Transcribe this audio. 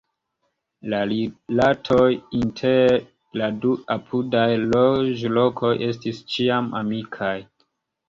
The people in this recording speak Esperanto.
La rilatoj inter la du apudaj loĝlokoj estis ĉiam amikaj.